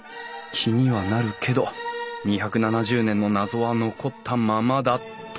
気にはなるけど２７０年の謎は残ったままだと。